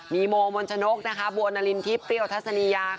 มีโมมนชนกบัวนารินทิพย์เปรี้ยวทัศนียา